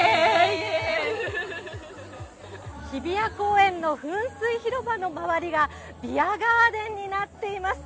日比谷公園の噴水広場の周りがビアガーデンになっています。